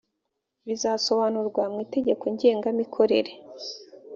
bizasobanurwa mu itegeko ngengamikorere